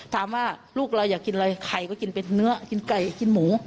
ถามว่าลูกเราอยากกินอะไรไข่ก็กินเป็นเนื้อกินไก่กินหมู